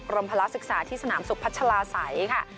กรมภรรณาศึกษาที่สนามศุกร์พัชลาศัยค่ะ